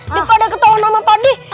daripada ketauan nama padeh